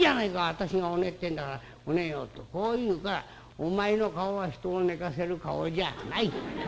私がお寝ってえんだからお寝よ』とこう言うから『お前の顔は人を寝かせる顔じゃない。